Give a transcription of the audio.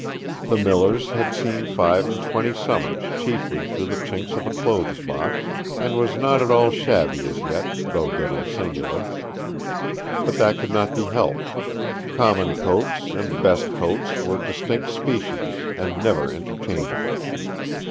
The miller's had seen five and twenty summers chiefly through the chinks of a clothes box, and was not at all shabby as yet, though getting singular. But that could not be helped; common coats and best coats were distinct species, and never interchangeable.